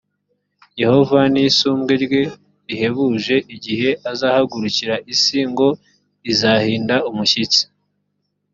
yehova n isumbwe rye rihebuje igihe azahagurukira isi ngo izahinda umushyitsi